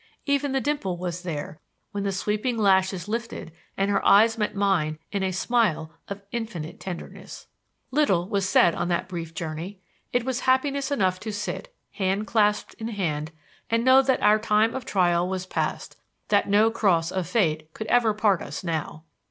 Even the dimple was there when the sweeping lashes lifted and her eyes met mine in a smile of infinite tenderness. Little was said on that brief journey. It was happiness enough to sit, hand clasped in hand, and know that our time of trial was past; that no cross of Fate could ever part us now.